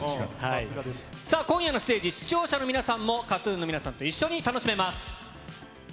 さあ、今夜のステージ、視聴者の皆さんも、ＫＡＴーＴＵＮの皆さんと一緒に楽しめます。